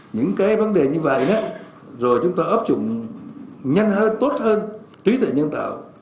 những cái vấn đề như vậy rồi chúng ta ấp dụng nhanh hơn tốt hơn trí tệ nhân tạo